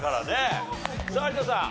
さあ有田さん